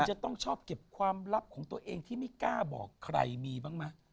จะต้องชอบเก็บความลับของตัวเองที่ไม่กล้าบอกใครมีบ้างไหม